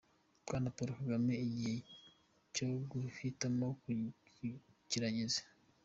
Bwana Paul Kagame, igihe cyo guhitamo kirageze.